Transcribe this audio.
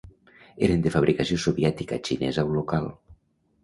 Eren de fabricació soviètica, xinesa o local.